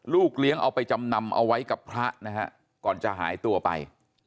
เลี้ยงเอาไปจำนำเอาไว้กับพระนะฮะก่อนจะหายตัวไป